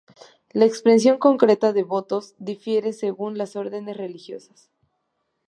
La expresión concreta de los votos difiere según las órdenes religiosas.